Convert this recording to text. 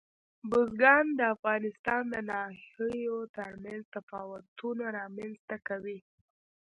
بزګان د افغانستان د ناحیو ترمنځ تفاوتونه رامنځ ته کوي.